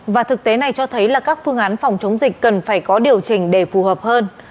và thực tế này cho thấy là các phương án phòng chống dịch cần phải có điều chỉnh để phù hợp hơn